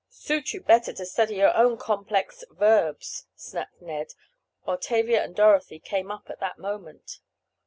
"Suit you better to study your complex—verbs," snapped Ned, while Tavia and Dorothy came up at that moment.